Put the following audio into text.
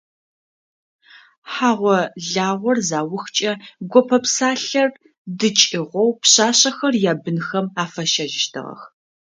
Хьагъо-лагъор заухкӏэ, гопэ псалъэр дыкӏыгъоу пшъашъэхэр ябынхэм афащэжьыщтыгъэх.